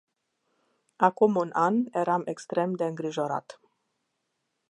Acum un an eram extrem de îngrijorat.